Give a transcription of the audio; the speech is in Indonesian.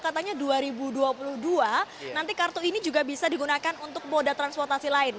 katanya dua ribu dua puluh dua nanti kartu ini juga bisa digunakan untuk moda transportasi lain